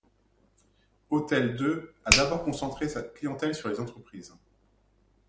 Hotel.de a d’abord concentré sa clientèle sur les entreprises.